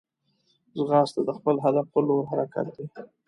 ځغاسته د خپل هدف پر لور حرکت دی